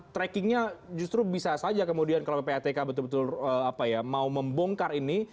trackingnya justru bisa saja kemudian kalau ppatk betul betul mau membongkar ini